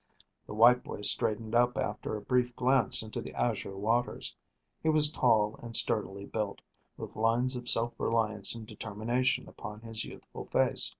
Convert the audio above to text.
The white boy straightened up after a brief glance into the azure waters. He was tall and sturdily built, with lines of self reliance and determination upon his youthful face.